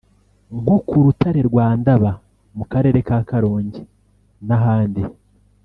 nko k’urutare rwa Ndaba mu karere ka Karongi n’ahandi